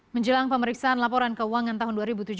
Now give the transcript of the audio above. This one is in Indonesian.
menjelang pemeriksaan laporan keuangan tahun dua ribu tujuh belas